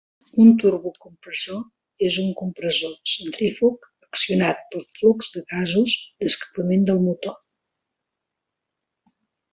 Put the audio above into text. Un turbocompressor és un compressor centrífug accionat pel flux de gasos d'escapament del motor.